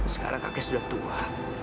sekarang kakek sudah tua